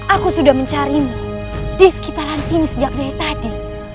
aku sudah mencarimu di sekitaran sini sejak dari tadi